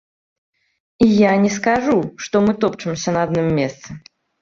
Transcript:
І я не скажу, што мы топчамся на адным месцы.